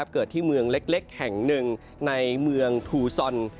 เกิดที่เมืองเล็กแห่งหนึ่งในเมืองทูซอน